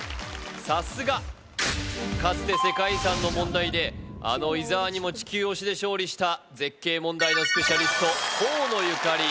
さすがかつて世界遺産の問題であの伊沢にも地球押しで勝利した絶景問題のスペシャリスト河野ゆかり